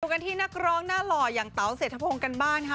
ดูกันที่นักร้องน่าหล่อยอย่างเต๋าเสร็จทะพงกันบ้างค่ะ